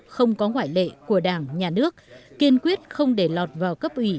không có ngoại lệ của đảng nhà nước kiên quyết không để lọt vào cấp ủy